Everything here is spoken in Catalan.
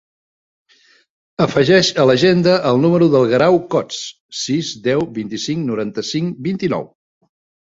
Afegeix a l'agenda el número del Guerau Cots: sis, deu, vint-i-cinc, noranta-cinc, vint-i-nou.